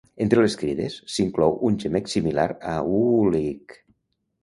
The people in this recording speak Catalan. Entre les crides, s'inclou un gemec similar a "uuu-lic".